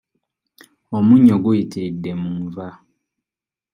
Omunnyo guyitiridde mu nva.